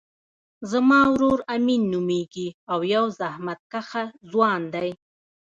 زما ورور امین نومیږی او یو زحمت کښه ځوان دی